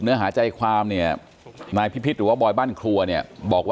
ไปทำแผนจุดเริ่มต้นที่เข้ามาที่บ่อนที่พระราม๓ซอย๖๖เลยนะครับทุกผู้ชมครับ